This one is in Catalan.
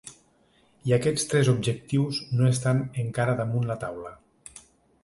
I aquests tres objectius no estan encara damunt la taula.